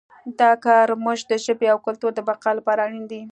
دا کار زموږ د ژبې او کلتور د بقا لپاره اړین دی